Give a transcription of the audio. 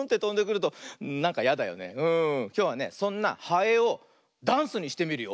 きょうはねそんなハエをダンスにしてみるよ。